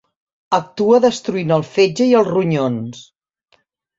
Actua destruint el fetge i els ronyons.